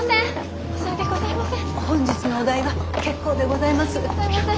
本日のお代は結構でございます。